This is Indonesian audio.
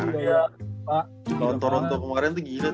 lawan toronto kemarin tuh gila